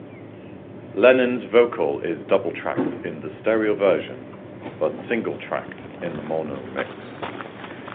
Lennon's vocal is double-tracked in the stereo version, but single-tracked in the mono mix.